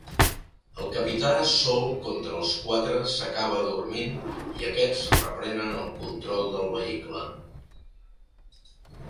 El capità sol contra els quatre s'acaba adormint i aquests reprenen el control del vehicle.